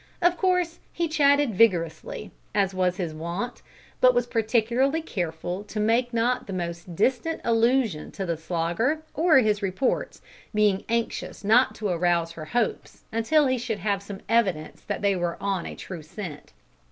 Of course he chatted vigorously, as was his wont, but was particularly careful to make not the most distant allusion to the Slogger or his reports, being anxious not to arouse her hopes until he should have some evidence that they were on a true scent.